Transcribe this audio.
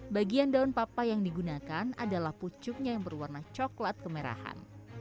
bagian daun papa yang digunakan adalah pucuknya yang berwarna coklat kemerahan